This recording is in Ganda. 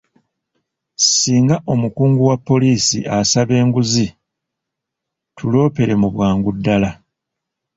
Singa omukungu wa poliisi asaba enguzi, tuloopere mu bwangu ddaala.